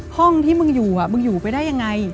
ห้องที่มึงอยู่มึงอยู่ไปได้ยังไง